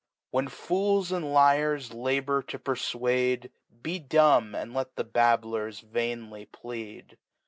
257 When Fools and Liars labor to perfuade. Be dumb, and let the Bablers vainly, plead.